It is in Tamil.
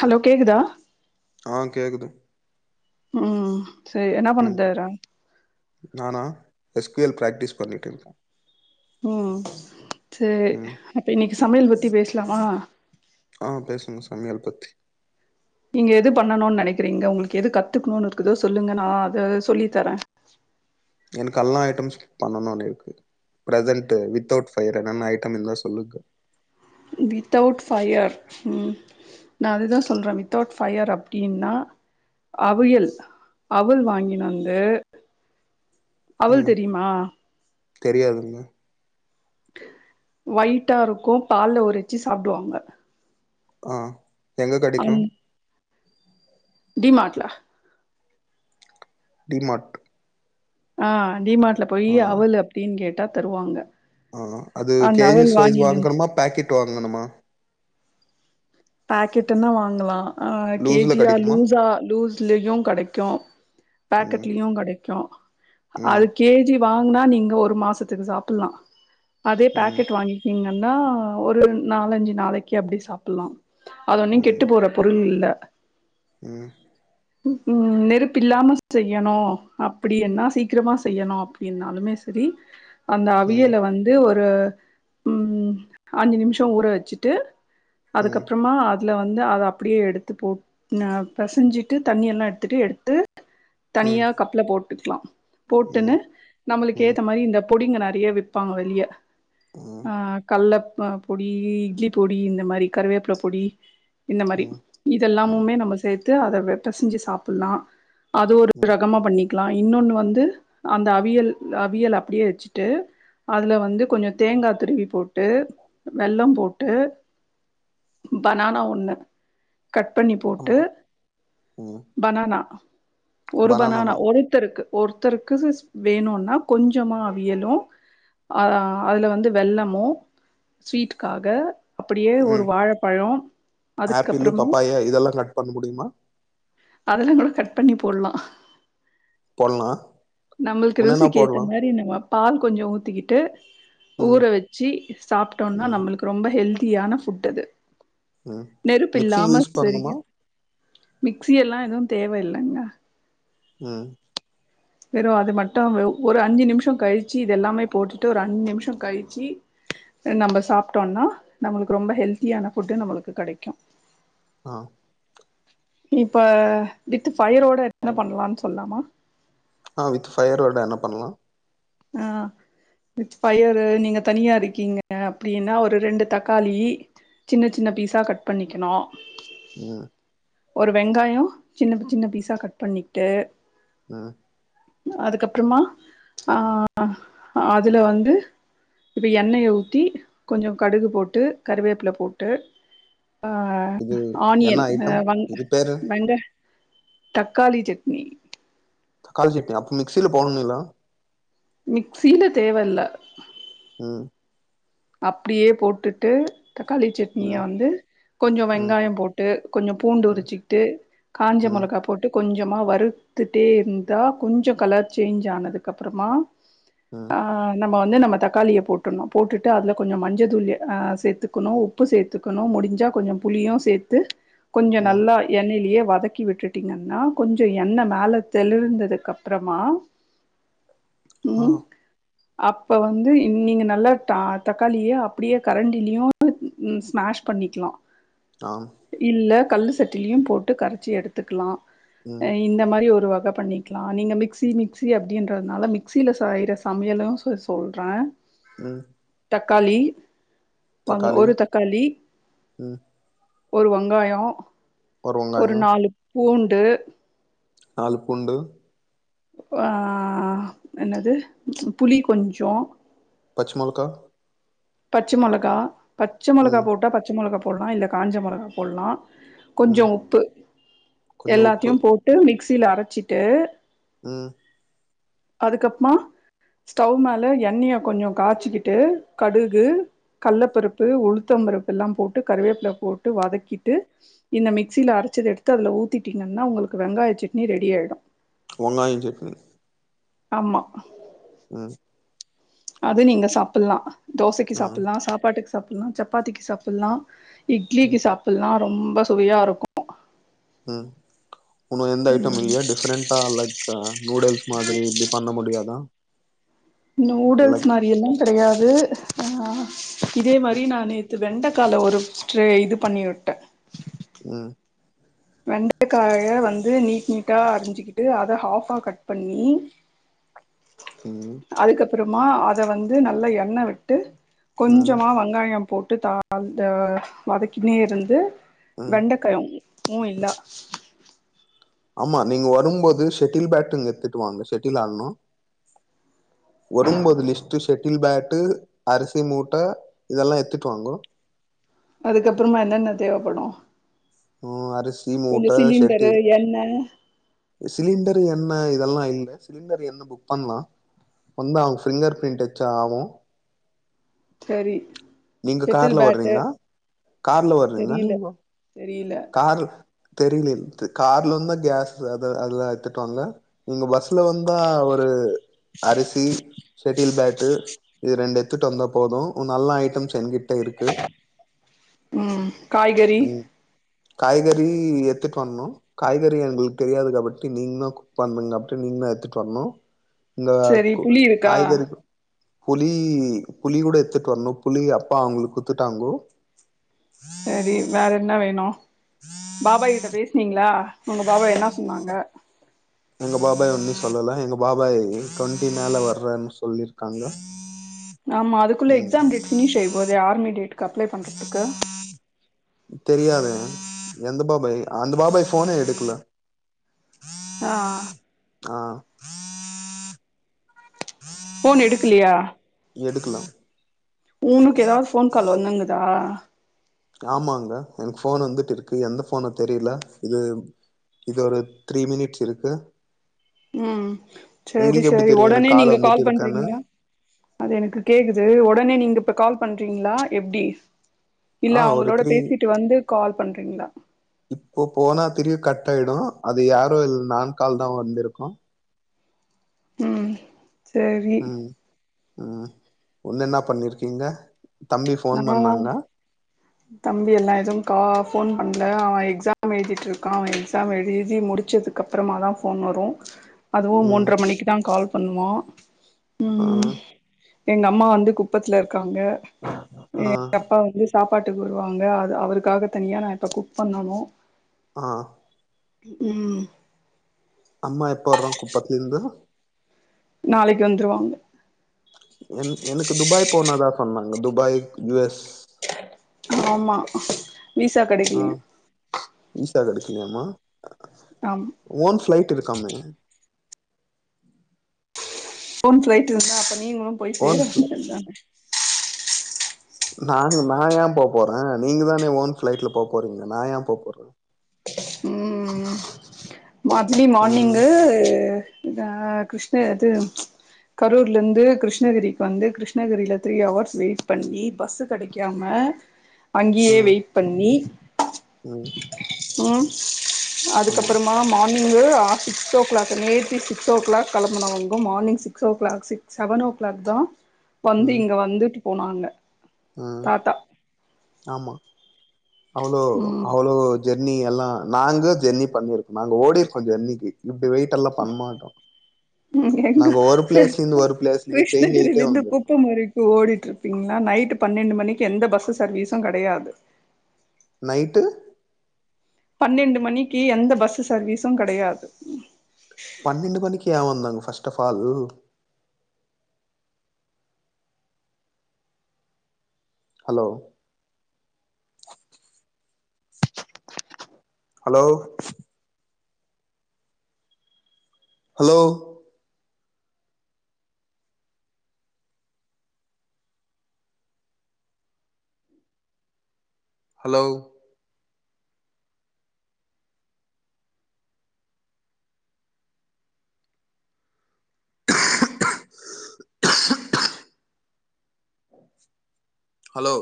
ஹலோ கேக்குதா ஆ கேக்குதும் ம் சரி என்ன பண்ணுதுற நானா எஸ் கு எல் ப்ராக்டிஸ் பண்ணிட்டு ருந்த ம் சரி ம் அப்ப இன்னக்கி சமயல் பத்தி பேஸ்லாமா ஆ பேசுங்க சமயல் பத்தி நீங்க எது பண்ணணுன் நெனக்கிறீங்க உங்களுக்கு எது கத்துக்குணுனு இருக்குது சொல்லுங்க நான் அத சொல்லி தர ஆ எனக்கு அல்லா ஐட்டம்ஸ் பண்ணனுனு இருக்கு ப்ரசன்ட் வித்தவுட் ஃபயர் என்னன்ன ஐட்டம் இருந்தா சொல்லுங்க வித்தவுட் ஃபயர் ம் நா அதுதா சொல்ற வித்தவுட் ஃபயர் அப்டின்னா அவியல் அவுள் வாங்கினு வந்து அவுள் ம் தெரியுமா தெரியாதுங்க ஒயிட்டா இருக்கும் பால்ல ஊரவச்சி சாப்டுவாங்க ஆ எங்க கெடக்கூ டி மாட்ல டிமாட் ஆ டிமாட்ல போயி அவுள் அப்டின் கேட்டா தருவாங்க ஆ அது அந்த கேஜி அவல் சைஸ் வாங்கினு வாங்கணுமா பேக்கெட் வாங்கணுமா பாக்கெட்னா வாங்கலா அ லூஸ்ல கேஜியா கெடைக்குமா? லூஸா லூஸ்லயும் கிடைக்கும் ம் பேக்கெட்லும் கிடைக்கும் ம் அது கேஜி வா னா நீங்க ஒரு மாசத்துக்கு சாப்டலாம் அதே ம் பேக்கெட் வாங்கிக்கீங்க ஒரு நாலஞ்சு நாளைக்கு அப்படி சாப்டலாம் அது ஒன்னும் கெட்டு ம் போற பொருள் இல்ல ம் ம் நெருப்பு இல்லாம செய்யணு அப்படி என்னா சீக்கிரமா செய்யணு அப்படி என்னாலுமே சரி அந்த ம் அவியலை வந்து ஒரு ம் அஞ்சு நிமிஷம் ஊற வச்சுட்டு ம் மா அதில் வந்து அதை அப்படியே எடுத்து போட்டு பசைஞ்சிட்டு தண்ணியெல்லா எடுத்துட்டு எடுத்து ம் தனியா கப்ல போட்டுக்கலா ம் போட்டுன்னு நம்மளுக்கு ம் ஏத்த மாரி இந்த பொடிங்க நறைய விப்பாங்க வெளிய ஆ கல்ல பொடி இட்லி பொடி இந்த மாரி கருவேப்பில பொடி இந்த மாரி ம் ம் இதெல்லாமமே நம்ம சேர்த்து அத வெட்ட செஞ்சு சாப்டலா அது ஒரு ம் ரகமா பண்ணி க்கலாம் இன்னொன்னு வந்து அந்த அவியல் அவியல் அப்படியே வச்சுட்டு அதுல வந்து கொஞ்சம் தேங்காய் துருவி போட்டு வெள்ளம் போட்டு பனானா ஒண்ணு கட் பண்ணி போட்டு ஆமா ம் பனானா ஒரு பனானா ஒருத்தருக்கு ஒருத்தருக்கு வேணும்னா கொஞ்சமா அவியலும் அ அதுல வந்து வெள்ளமும் ஸ்வீட்டுக்காக அப்படியே ஒரு வாழை ஆப்பிள் பப்பாயா இதெல்லா கட் பண்ண முடியுமா அதெல்லா கூட கட் பண்ணி போடலா போட்லா நம்மளுக்கு உன்னென்ன ருசிக்கு ஏத்த போட்லா மாரி நம்ம பால் கொஞ்சம் ஊத்திக்கிட்டு ம் ஊற வச்சு சாப்ட்டோனா ம் நம்மளுக்கு ரொம்ப ஹெல்தி யான ஃபுட் அது ம் நெருப்பு மிக்ஸி இல்லாம [inaudible] யூஸ் பண்ணுமா மிக்சி எல்லாம் எதுவும் தேவை இல்லங்க ம் வெறும் அது மட்டும் ஒரு அஞ்சு நிமிஷம் கழிச்சு இத எல்லாமே போட்டுட்டு ஒரு அஞ்சு நிமிஷம் கழிச்சு நம்ம சாப்ட்டோம்னா நம்மளுக்கு ரொம்ப ஹெல்த்தியான ஃபுட்டு நம்மளுக்கு கடைக்கு ஆ இப்ப வித் பஃயரோட என்ன பண்ணலாம்னு சொல்லாமா ஆ வித் ஃபயர்ரோட என்ன பண்லா ஆ வித் பயர் நீங்க தனியா இருக்கீங்க அப்படின்னா ஒரு ரெண்டு தக்காளி சின்ன சின்ன பீஸா கட் பண்ணிக்கணு ம் ஒரு வெங்காயம் சின்ன சின்ன பீஸா கட் பண்ணிட்டு ம் அதுக்கப்புறமா அப்அதுல வந்து இப்ப எண்ணெய ஊத்தி கொஞ்சம் கடுகு போட்டு கருவேப்பில போட்டு ஆ இது என்ன ஆனியன் ஐட்டம் அ இது பேரு வெங்க தக்காளி சட்னி தக்காளி சட்னி அப்ப மிக்சியில போடும்னுங்கிலா மிக்சில தேவல்ல ம் அப்படியே போட்டுட்டு தக்காளி சட்னிய ம் வந்து கொஞ்சம் ம் வெங்காயம் போட்டு கொஞ்சம் பூண்டு ம் உரிச்சிக்கிட்டு காஞ்ச ம் மிளகா போட்டு கொஞ்சமா வறுத்துட்டே இருந்தா கொஞ்சம் கலர் சேஞ்ச் ஆனதுக்கு அப்புறமா ம் ஆ நம்ம வந்து நம்ம தக்காளிய போட்டணும் போட்டுட்டு டு அதுல கொஞ்சோ மஞ்ச தூளு அ சேத்துக்குனோ உப்பு சேத்துக்குனோ முடிஞ்சா கொஞ்சோ புளியு சேத்து கொஞ்சோ ம் நல்லா எண்ணெய்லியே வதக்கி விட்டுட்டீங்கன்னா கொஞ்சு எண்ணெ மேல தெளிர்ந்ததுக்கப்பறமா ஆ ம் அப்ப வந்து இ நீங்க நல்லா தா தக்காளியே அப்புடியே கரண்டிலியு ம் ஸ்மாஷ் பண்ணிக்லா ஆ இல்ல கல்லு சட்டிலியு போட்டு கரச்சி எடுத்துக்லா ம் அ இந்த மாரி ஒருவ க பண்ணிக்லா நீங்க மிக்சி மிக்சி அப்டின்றதுனால மிக்சில செய்ற சமையலு சொ சொல்றே ம் தக்காளி வங் தக்காளி ஒரு தக்காளி ம் ஒரு வங்காயோ ஒரு நாலு பூண்டு நாலு பூண்டு அ என்னது புளி கொஞ்சோ பச் மொளக்கா பச்ச மொளகா பச்ச மொளகா ம் போட்டா பச்ச மொளகா போட்லா இல்ல காஞ்ச மொளகா போல்லா கொஞ்சோ ம் உப்பு கொஞ்சோ உப்பு எல்லாத்தியு போட்டு மிக்சியில அரச்சிட்டு ம் அதுக்கப்மா ஸ்டவ் மேல எண்ணிய கொஞ்சு காச்சிக்கிட்டு கடுகு கல்ல பருப்பு உளுத்தம் பருப்பெல்லா போட்டு கருவேப்ல போட்டு வதக்கிட்டு இந்த மிக்சியில அர ச்சது எடுத்து அதுல ஊத்திட்டீங்கன்னா உங்களுக்கு வெங்காய செட்னி ரெடியாய்டு வங்காய சட்னி ஆம்மா ம் அது நீங்க சாப்பில்லா தோசைக்கி ஆ சாப்பில்லா சாப்பாட்டுக் சாப்பில்லா சப்பாத்திக்கு சாப்பில்லா ம் இட்லிக்கு சாப்பில்லா ரொம்ப சுவையா இருக்கு ம் உன்னு எந்த ஐட்டம் இல்லியா டிஃபரெண்டா லைக் அ நூடுல்ஸ் மாதிரி இப்டி பண்ண முடியாதா நூல்டெல்ஸ் லைக் மாரி எல்லா கெடயாது அ இதே மாதிரி நா நேத்து வெண்டக்கால ஒரு ஸ்ட்ரே இது பண்ணிவு ட்ட ம் வெண்டக்காய வந்து நீட் நீட்டா அரிஞ்சுக்கிட்டு அத ஹாஃபா கட் பண்ணி ம் அப்புறமா அத வந்து நல்லா எண்ணெ விட்டு ம் கொஞ்சமா வெங்காயம் போட் டு [unintelligible] வதக்கினே இருந்து ம் வெண்டக்காயு உ இல்லா ஆமா நீங்க வரும்போது ஷெட்டில் பேட்டொன் எத்துட் வாங்க ஷெட்டில் ஆட்ணு வரும்போது லிஸ்டு செட் டில் பேட்டு அரிசி மூட்ட இதெல்லா எத்துட் வாங்கோ அதுக்கப்புறமா என்னென்ன தேவப்படு ம் அரிசி கொஞ்ச மூட்ட சிலிண்டரு ஷெட்டில் எண்ணெ சிலிண்டர் எண்ணெ இதெல்லா இல்ல சிலிண்டர் எண்ணெ புக் பண்லா வந்தா அவுங் ஃபிங்கர் ப்ரிண்ட் வெச்சா ஆவு செரி நீங்க கார்ல வருறீங்லா கார்ல வறீங்க தெரியல நீங்கோ தெரியல காரு தெரிலி தெ கார்லிருந்தா கேஸ் அத அதெல்லா எத்துட் வாங்க நீங்கோ பஸ்ல வந்தா ஒரு அரிசி ஷெட்டில் பேட்டு இத் ரெண்டு எத்துட் வந்தா போது நல்ல ஐட்டம் ம் காய்கறி ம் காய்கறி எத்துட்டு வந்தோ காய்கறி எங்களுக்கு தெரியாது அதபட்டி நீங்கதா குக் பண்ணுங்க அப்டி நீ இன்னு எத்துட்டு வந்தோ இங்க சரி கு புளி இருக்கா காய்கறி புளி புளி கூட எத்துட்டு வந்தோ புளி அப்பா அவுங்களுக்கு குடுத்துட்டாங்கோ சரி வேற என்ன வேணு பாபா கிட்ட பேசினீங்ளா உங்க பாபா என்னா சொன்னாங்க எங்க பாபாய் ஒன்னு சொல்லல எங்க பாபாய் டுவெண்ட்டி மேல வர்றனு சொல்லியிருக்காங்க ஆமா அதுக்குள்ள எக்ஸாம் டேட் பினிஷ் ஆயிற போது ஆர்மி டேட்டுக்கு அப்ளை பண்றதுக்கு தெரியாதே எந்த பாபாய் அந்த பாபாய் போனே எடுக்கல ஆ ஆ போன் எடுக்கலயா எடுக்கல ஊனுக்கு எதாவது போன் கால் வந்துந்துதா ஆமாங்க எனக்கு போன் வந்துட்டு இருக்கு எந்த போனோ தெரில இது இது ஒரு த்ரீ மினிட்ஸ் இருக்கு ம் செரி உங்களுக்கு எப்டி செரி தெரியு ஒடனே எனக்கு நீங்க கால் வந்துட்டு இருக்கன்னு பண்ட்டுருக்கீங்ளா அது எனக்கு கேக்குது ஒடனே நீங்க இப்ப கால் பண்றீங்ளா எப்டி இல்ல ஆ ஒரு அவுங்களோட த்ரீ பேசிட்டு வந்து கால் பண்றீங்ளா கட்டாயிடு அது யாரு இல் நான்கால்தா வந்திருக்கு ம் சேரி ம் ம் ஒன்னு என்னா பண்ணிருக்கீங்க தம்பி நா ஃபோன் எல்லா பண்ணாங்க தம்பி எல்லா எதுவும் கா போன் பண்ல அவன் எக்ஸாம் எழுதிட்டு இருக்கான் அவன் எக்ஸாம் எழுதி தி முடிச்சதுக்கப்புறமாதா போன் வரு அதுவு ம் மூன்றர மணிக்குதான் கால் பண்ணுவான் ஆ ம் எங்க அம்மா வந்து குப்பத்துல இருக்காங்க ஆ எங்க அப்பா வந்து சாப்பாட்டுக்கு வருவாங்க அது அவருக்காக தனியா நா இப்ப குக் பண்ணணு ஆ ம் அம்மா எப்ப வர்று குப்பத்துலந்து நாளைக்கு வந்துருவாங்க என் எனக்கு துபாய் போனதா சொன்னாங்க துபாய், யு எஸ் ஆமா வீசா கெடைக்கலயா இல்லயாமா ஓன் ஃபிளைட் இரு கம்மி ஓன் ஃபிளைட் இருந்தா அப்ப நீங்களு போய் சேர ஓன் ஃப்ளை வேண்டியதுதானே நாங்க நான் ஏன் போ போறேன் நீங்க தானே ஓன் ஃபிளைட்ல போ போறீங்க நான் ஏன் போ போற மட்லி ம் மார்னிங்கு இதா கிருஷ்ண அது கரூர்லந்து கிருஷ்ணகிரிக்கு வந்து கிருஷ்ணகிரில த்ரீ ஹவர்ஸ் வெயிட் பண்ணி பஸ் கெடைக்காம அங்கேயே ம் வெயிட் பண்ணி ம் ம் ஆமா அதுக்கப்பறம் மார்னிங்கு ஆ சிக்ஸ் ஓ கிளாக்கு நேத்தி சிக்ஸ் ஓ கிளாக் கெளம்புனவுங்கோ morning six o'clock six செவனோ கிளாக்தா வந்து ம் இங்க வந்துட்டு போனாங்க ம் தாத்தா ஆமா அவ்ளோ ம் அவ்ளோ ஜெர்னி எல்லா நாங்க ஜெர்னி பண்ணிருக்கோ நாங்க ஓடிருக்கோ ஜெர்னிக்கு இப்டி வெயிட்டெல்லா பண்ணமாட்டோ ம் எங்க பிளேஸ்ல இருந்து சேஞ்ச் கிருஷ்ணகிரில ஆயிட்டே இருந்து வந்திருக்கோ குப்ப முறைக்கு ஓடிட்ருப்பீங்களா நைட்டு் பன்னெண்டு மணிக்கு எந்த பஸ் சர்வீசு கெடையாது நைட்டு பன்னெண்டு மணிக்கு எந்த பஸ்சு சர்வீசு கெடையாது பன்னெண்டு மணிக்கு யே வந்தாங்க பஸ்ட்டபால் hello hello hello hello hello